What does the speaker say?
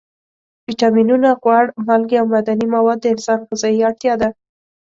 ویټامینونه، غوړ، مالګې او معدني مواد د انسان غذایي اړتیا ده.